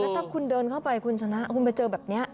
ถ้าคุณเดินเข้าไปคุณไปเจอแบบเนี้ย